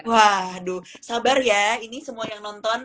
waduh sabar ya ini semua yang nonton